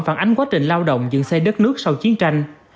phản ánh quá trình lao động dựng xây đất nước sau chiến tranh